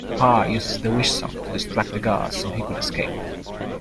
Par uses the Wishsong to distract the guards so he could escape.